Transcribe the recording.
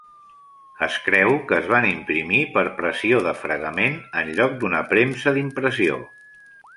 Es creu que es van imprimir per pressió de fregament, en lloc d'una premsa d'impressió.